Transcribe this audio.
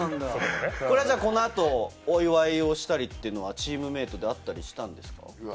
このあと、お祝いをしたりというのはチームメートであったりしたんですか？